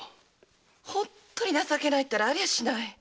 ホントに情けないったらありゃしない。